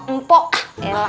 empok ah ya lah